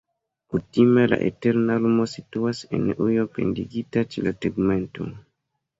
Kutime la eterna lumo situas en ujo pendigita ĉe la tegmento.